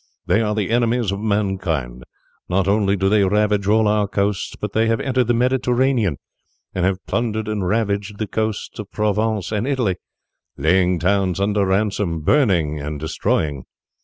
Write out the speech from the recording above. They are the enemies of mankind. Not only do they ravage all our coasts, but they have entered the Mediterranean, and have plundered and ravaged the coasts of Provence and Italy, laying towns under ransom, burning and destroying."